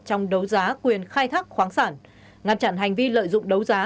trong đấu giá quyền khai thác khoáng sản ngăn chặn hành vi lợi dụng đấu giá